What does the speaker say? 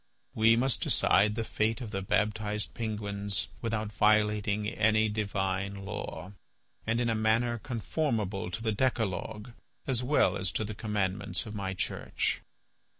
We must decide the fate of the baptized penguins without violating any divine law, and in a manner conformable to the decalogue as well as to the commandments of my Church."